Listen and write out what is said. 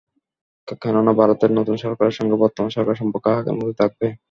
কেননা ভারতের নতুন সরকারের সঙ্গে বর্তমান সরকারের সম্পর্ক আগের মতোই থাকবে।